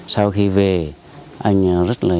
sau khi về anh ấy rất là